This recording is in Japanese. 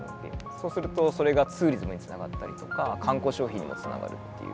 そうするとそれがツーリズムにつながったりとか観光消費にもつながるっていう。